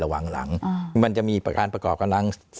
ระหว่างหลังมันจะมีการประกอบกำลัง